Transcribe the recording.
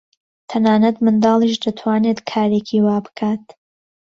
تەنانەت منداڵیش دەتوانێت کارێکی وا بکات.